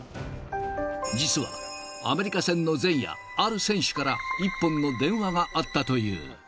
実はアメリカ戦の前夜、ある選手から一本の電話があったという。